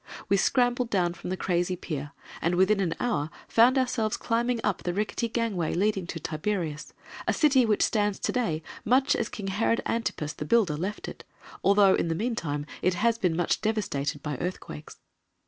We scrambled down from the crazy pier, and within an hour found ourselves climbing up the rickety gangway leading to Tiberias, a city which stands to day much as King Herod Antipas, the builder, left it, although, in the meantime, it has been much devastated by earthquakes.